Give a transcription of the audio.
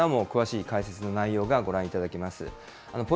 こちらのＱＲコードからも詳しい解説の内容がご覧いただけます。